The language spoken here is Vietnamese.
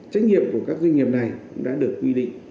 trách nhiệm của các doanh nghiệp này cũng đã được quy định